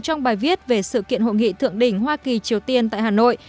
trong bài viết về sự kiện hội nghị thượng đỉnh hoa kỳ triều tiên tại hà nội